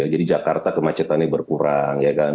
jadi jakarta kemacetannya berkurang